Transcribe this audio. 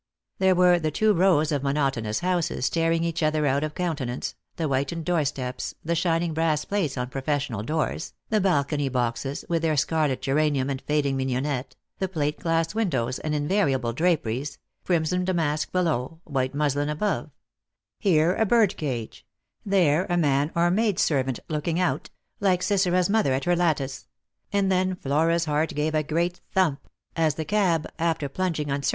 There were the two rows of monotonous houses staring each other out of countenance, the whitened doorsteps, the shining brass plates on professional doors, the balcony boxes, with their scarlet geranium and fading mignonette, the plate glass win dows and invariable draperies — crimson damask below, white muslin above — here a birdcage, there a man or maid servant looking out, like Sisera's mother at her lattice — and then Flora's heart gave a great thump, as the cab, after plunging uncer Y 338 Lost for Love.